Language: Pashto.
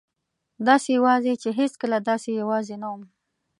داسې یوازې چې هېڅکله داسې یوازې نه وم.